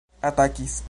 atakis